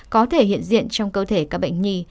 có thể hiện diện trong cơ thể các bệnh nhi